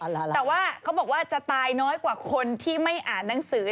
แต่ว่าเขาบอกว่าจะตายน้อยกว่าคนที่ไม่อ่านหนังสือ